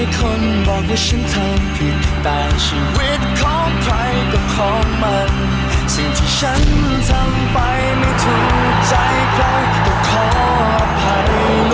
เขาคิดไว้แล้วเหรอ